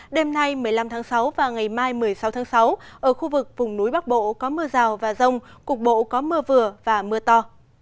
đêm nay một mươi năm tháng sáu và ngày mai một mươi sáu tháng sáu ở khu vực vùng núi bắc bộ có mưa rào và rông cục bộ có mưa vừa và mưa to